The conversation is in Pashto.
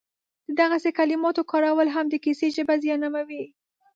د دغسې کلماتو کارول هم د کیسې ژبه زیانمنوي